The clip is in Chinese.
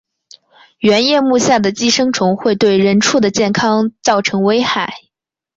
圆叶目下的寄生虫会对人畜的健康造成危害。